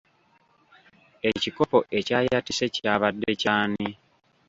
Ekikopo ekyayatise kya badde ky’ani?